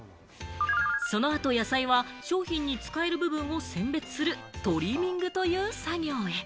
その後、野菜は商品に使える部分を選別するトリミングという作業へ。